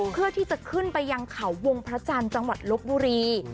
เพื่อที่จะขึ้นไปยังเขาวงพระจันทร์จังหวัดลบบุรี